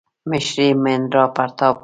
مشر یې مهیندراپراتاپ و.